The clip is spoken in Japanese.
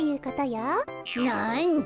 なんだ。